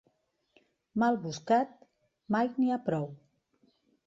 Mal buscat, mai n'hi ha prou.